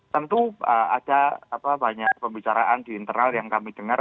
tentu ada banyak pembicaraan di internal yang kami dengar